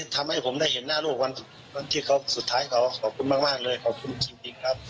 ทำให้ผมได้เห็นหน้าลูกวันที่เขาสุดท้ายเขาขอบคุณมากเลยขอบคุณจริงครับ